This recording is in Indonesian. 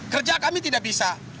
kerja kami tidak bisa